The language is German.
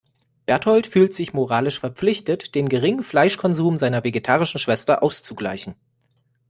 Bertold fühlt sich moralisch verpflichtet, den geringen Fleischkonsum seiner vegetarischen Schwester auszugleichen.